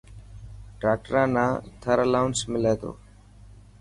ڊاڪٽران نا ٿر الاونس ملي تو.